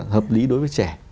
hợp lý đối với trẻ